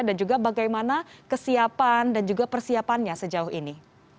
dan juga bagaimana kesiapan dan juga persiapannya sejauh ini